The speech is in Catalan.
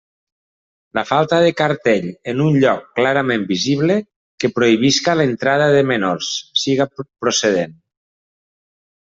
La falta de cartell en un lloc clarament visible que prohibisca l'entrada de menors, siga procedent.